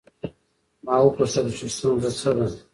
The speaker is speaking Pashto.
ما وپوښتل چې ستونزه څه ده؟